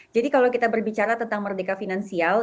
jadi kalau kita berbicara tentang merdeka finansial